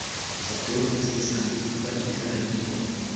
Saturno estis antikva itala dio.